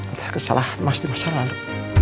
ada kesalahan mas di masa lalu